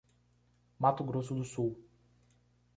Mato Grosso do Sul